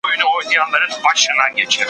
له هغه چي وو له موره زېږېدلی ,